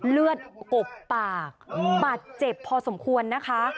เลือดอบปากบาดเจ็บพอสมควรนะคะ